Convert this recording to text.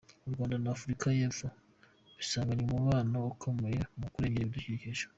U Rwanda na Afurika y’Epfo bisanganywe umubano ukomeye mu kurengera ibidukikije.